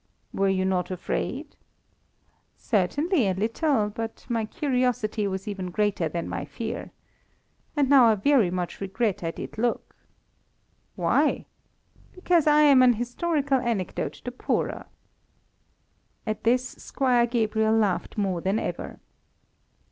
"Were you not afraid?" "Certainly, a little, but my curiosity was even greater than my fear. And now I very much regret I did look." "Why?" "Because I am an historical anecdote the poorer." At this Squire Gabriel laughed more than ever.